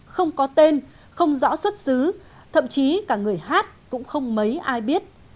không có tên không rõ xuất xứ thậm chí cả người hát cũng không mấy ai biết